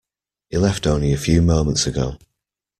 He left only a few moments ago.